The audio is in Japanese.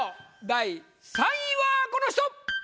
第３位はこの人！